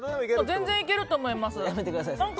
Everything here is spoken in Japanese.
全然いけると思います。